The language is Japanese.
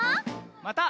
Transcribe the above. また。